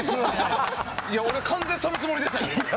いや、俺は完全にそのつもりでしたけど。